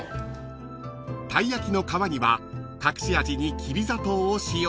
［たい焼きの皮には隠し味にきび砂糖を使用］